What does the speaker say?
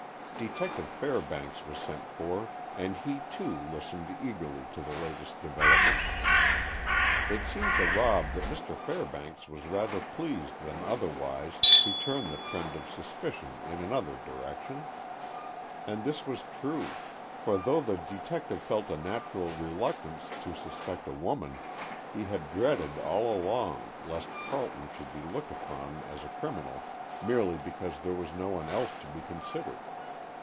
Detective Fairbanks was sent for, and he, too, listened eagerly to the latest developments. It seemed to Rob that Mr. Fairbanks was rather pleased than otherwise to turn the trend of suspicion in another direction. And this was true, for though the detective felt a natural reluctance to suspect a woman, he had dreaded all along lest Carleton should be looked upon as a criminal merely because there was no one else to be considered.